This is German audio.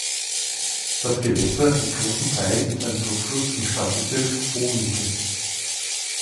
Das Gewässer liegt großen Teil in seinem Durchfluss im Stadtbezirk Vohwinkel.